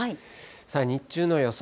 さあ、日中の予想